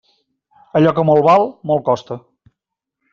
Allò que molt val, molt costa.